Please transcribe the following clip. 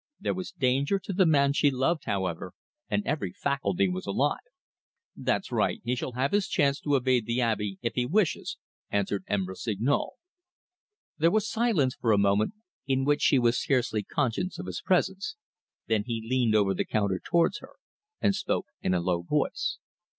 There was danger to the man she loved, however, and every faculty was alive. "That's right. He shall have his chance to evade the Abbe if he wishes," answered M. Rossignol. There was silence for a moment, in which she was scarcely conscious of his presence; then he leaned over the counter towards her, and spoke in a low voice.